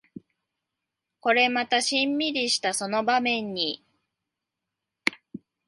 これまたシンミリしたその場面に